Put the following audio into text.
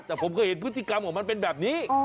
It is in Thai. แต่ผมก็เห็นพฤติกรรมของมันเป็นแบบนี้